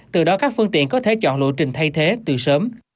từ đó các phương tiện có thể chọn lộ trình thay thế từ sớm